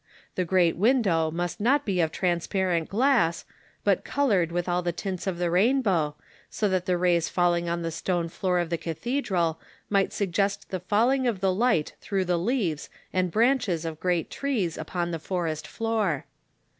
The great windoAv must not be of trans parent glass, but colored with all the tints of the rainbow, so that the rays falling on the stone floor of the cathedral might suggest the falling of the light through the leaves and CHRISTIAN ART 165 branches of great trees upon the forest floor.